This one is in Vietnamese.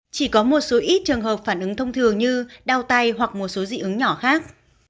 chỉ có một số ít trường hợp phản ứng thông thường như đau tay hoặc một số dị ứng nhỏ khác